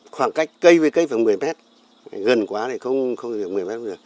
khoảng cách cây với cây phải một mươi mét gần quá thì không được một mươi mét